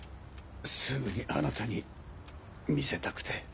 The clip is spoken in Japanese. すぐにあなたに見せたくて。